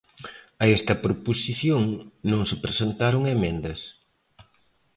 A esta proposición non se presentaron emendas.